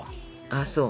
あっそう。